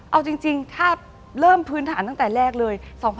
เอาจริงถ้าเริ่มพื้นฐานตั้งแต่แรกเลย